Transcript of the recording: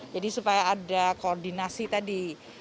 jadi supaya ada koordinasi tadi